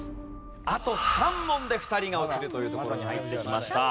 あと３問で２人が落ちるというところに入ってきました。